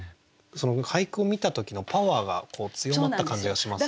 俳句を見た時のパワーが強まった感じがしますね。